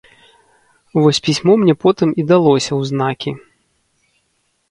Вось пісьмо мне потым і далося ў знакі.